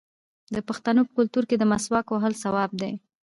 د پښتنو په کلتور کې د مسواک وهل ثواب دی.